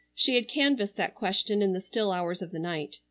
She had canvassed that question in the still hours of the night.